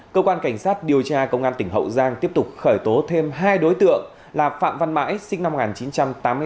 cơ quan cảnh sát điều tra công an tỉnh hậu giang tiếp tục khởi tố thêm hai đối tượng là phạm văn mãi sinh năm một nghìn chín trăm tám mươi tám